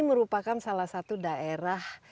merupakan salah satu daerah